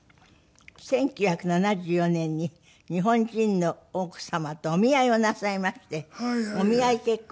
１９７４年に日本人の奥様とお見合いをなさいましてお見合い結婚。